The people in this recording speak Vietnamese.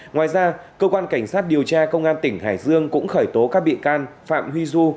ngoài ra cơ quan cảnh sát điều tra công an tỉnh hải dương cũng khởi tố các bị can phạm huy du